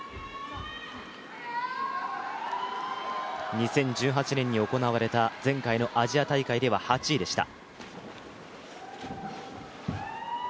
２０１８年に行われた前回のアジア大会では８位でした。